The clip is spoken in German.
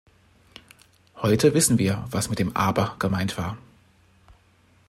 Heute wissen wir, was mit dem "aber” gemeint war.